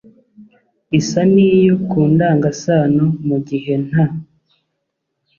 isa n'iyo ku ndangasano mu gihe nta